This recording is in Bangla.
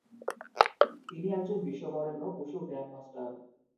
তিনি একজন বিশ্ববরেণ্য উশু গ্র্যান্ডমাস্টার।